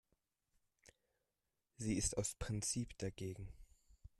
Sie ist aus Prinzip dagegen.